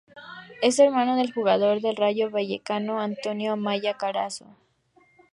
Es hermano del jugador del Rayo Vallecano Antonio Amaya Carazo.